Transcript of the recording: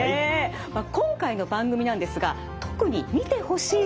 まあ今回の番組なんですが特に見てほしい人がいます。